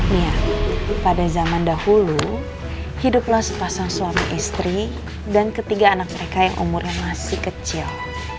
iya pada zaman dahulu hiduplah sepasang suami istri dan ketiga anak mereka yang umurnya masih kecil